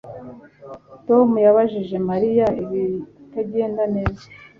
Tom yabajije Mariya ibitagenda neza